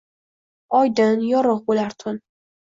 Oydin, yorug’ bo’lar tun».